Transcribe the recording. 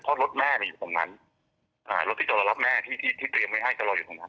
เพราะรถแม่มีอยู่ตรงนั้นอ่ารถที่จะรอรับแม่ที่ที่เตรียมไว้ให้จะรออยู่ตรงนั้น